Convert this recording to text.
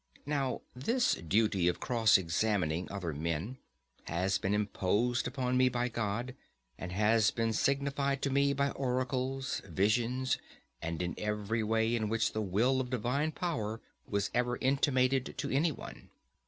Now this duty of cross examining other men has been imposed upon me by God; and has been signified to me by oracles, visions, and in every way in which the will of divine power was ever intimated to any one.